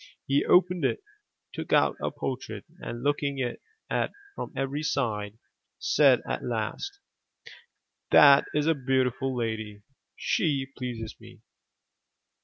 He opened it, took out a portrait, and looking at it from every side, said at last: 'That is a beautiful lady; she pleases me.